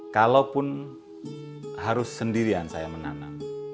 kalaupun harus sendirian saya menanam